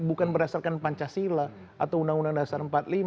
bukan berdasarkan pancasila atau undang undang dasar empat puluh lima